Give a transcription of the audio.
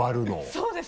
そうですね。